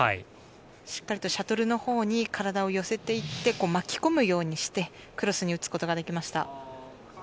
しっかりとシャトルのほうに体を寄せていって巻き込むようにしてクロスに打つことができました。